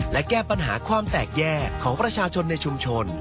และแก้ปัญหาความแตกแยกของประชาชนในชุมชน